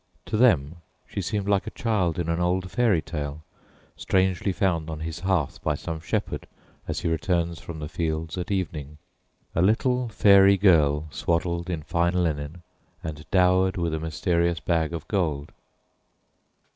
To them she seemed like a child in an old fairy tale strangely found on his hearth by some shepherd as he returns from the fields at evening a little fairy girl swaddled in fine linen, and dowered with a mysterious bag of gold.